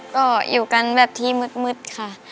ก็อยู่กันแบบที่มืดค่ะ